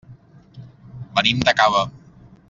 Venim de Cava.